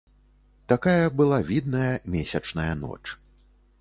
Такая была відная, месячная ноч.